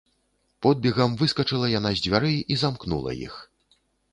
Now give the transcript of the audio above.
Подбегам выскачыла яна з дзвярэй і замкнула іх.